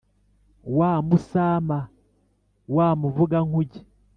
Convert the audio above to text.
wa musama wa muvugankuge